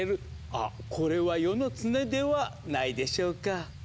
あこれは世の常ではないでしょうか？